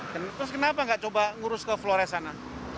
terus kenapa nggak coba ngurus ke flores sana